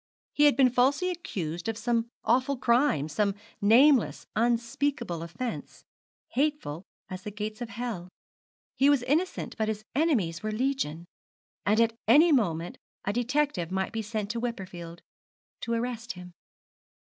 He had been falsely accused of some awful crime some nameless, unspeakable offence hateful as the gates of hell. He was innocent, but his enemies were legion; and at any moment a detective might be sent to Wimperfield to arrest him.